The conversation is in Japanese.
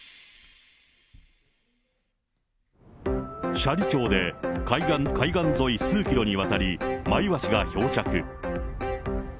斜里町で、海岸沿い数キロにわたり、マイワシが漂着。